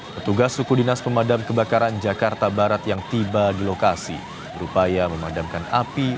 petugas suku dinas pemadam kebakaran jakarta barat yang tiba di lokasi berupaya memadamkan api